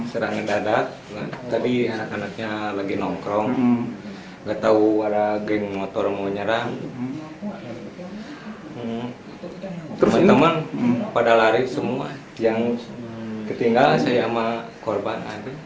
ketinggalan saya sama korban